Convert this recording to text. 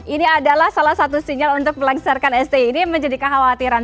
ini adalah salah satu sinyal untuk melengsarkan sti ini menjadi kekhawatiran